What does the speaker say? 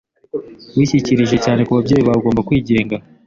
Wishingikirije cyane kubabyeyi bawe. Ugomba kwigenga.